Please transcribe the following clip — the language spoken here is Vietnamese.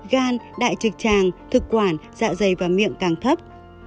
gan đại trực tràng thực quản dạ dày và miệng càng thấp